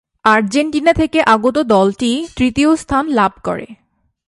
Argentina থেকে আগত দলটি তৃতীয় স্থান লাভ করে।